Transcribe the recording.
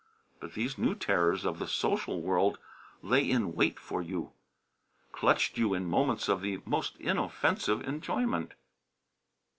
But these new terrors of the social world lay in wait for you; clutched you in moments of the most inoffensive enjoyment.